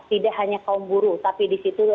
tidak hanya kaum buruh tapi disitu